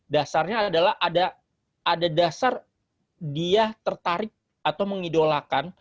dasarnya adalah ada dasar dia tertarik atau mengidolakan